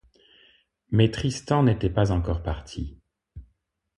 Mais Tristan n'était pas encore parti.